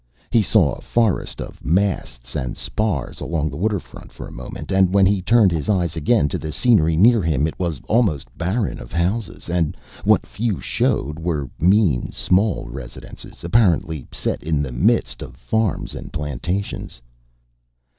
He saw a forest of masts and spars along the waterfront for a moment and when he turned his eyes again to the scenery near him it was almost barren of houses, and what few showed were mean, small residences, apparently set in the midst of farms and plantations.